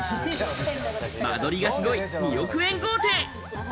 間取りがすごい２億円豪邸。